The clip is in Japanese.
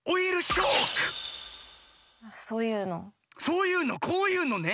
そういうのこういうのね！